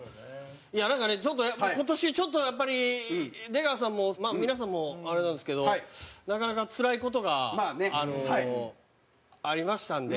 なんかね、今年ちょっと、やっぱり出川さんも、皆さんもあれなんですけどなかなかつらい事がありましたんで。